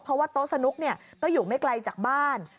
เพราะว่าโต๊ะสนุกก็อยู่ไม่ไกลจากบ้าน